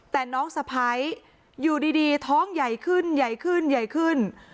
แต่น้องสะพ้ายอยู่ดีท้องใหญ่ขึ้นใหญ่ขึ้นใหญ่ขึ้น